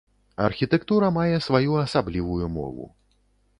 Архітэктура мае сваю асаблівую мову.